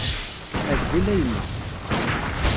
Azul a yemma.